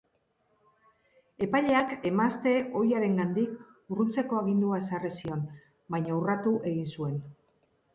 Epaileak emazte ohiarengandik urruntzeko agindua ezarri zion, baina urratu egin zuen.